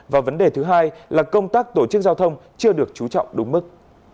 và vấn đề thứ hai là công tác tổ chức giao thông chưa được chú trọng đúng mức